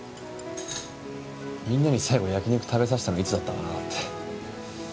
みんなに最後焼き肉食べさせたのいつだったかなって。